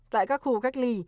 tại các khu cách ly